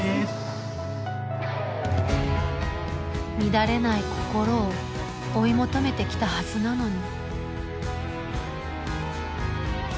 乱れない心を追い求めてきたはずなのに。